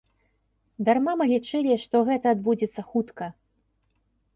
Дарма мы лічылі, што гэта адбудзецца хутка.